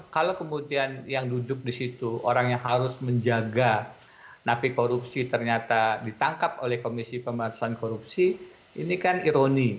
kalau kemudian yang duduk di situ orang yang harus menjaga napi korupsi ternyata ditangkap oleh komisi pemerintahan korupsi ini kan ironi